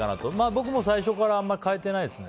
僕も最初からあんまり変えてないですね。